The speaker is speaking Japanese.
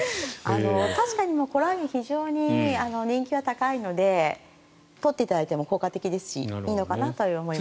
コラーゲン非常に人気は高いのでとっていただいても効果的ですしいいかと思います。